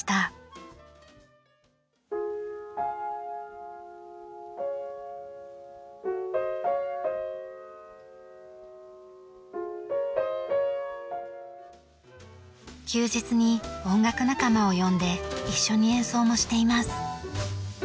『月の光』休日に音楽仲間を呼んで一緒に演奏もしています。